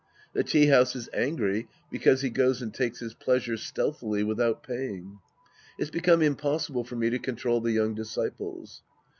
The tea house is angry because he goes and takes his pleasure stealthily without paying. It's become impossible for me to control the young disciples.